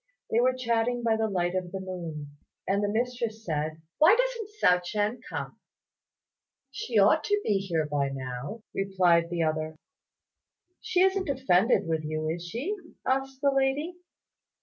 They were chatting by the light of the moon; and the mistress said, "Why doesn't Hsiao ch'ien come?" "She ought to be here by now," replied the other. "She isn't offended with you; is she?" asked the lady.